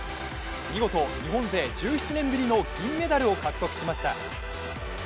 見事、日本勢１７年ぶりの銀メダルを獲得しました。